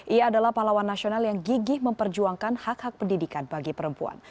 ia adalah pahlawan nasional yang gigih memperjuangkan hak hak pendidikan bagi perempuan